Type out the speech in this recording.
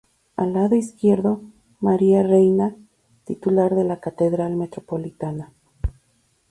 Al lado izquierdo, María Reina, titular de la Catedral Metropolitana.